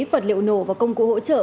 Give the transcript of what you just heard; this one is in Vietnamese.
vật liệu nổ và công cụ hỗ trợ